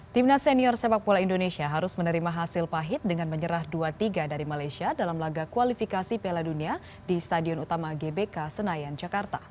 timnas senior sepak bola indonesia harus menerima hasil pahit dengan menyerah dua tiga dari malaysia dalam laga kualifikasi piala dunia di stadion utama gbk senayan jakarta